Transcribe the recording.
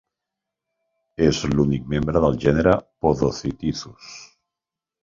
És l'únic membre del gènere "Podocytisus".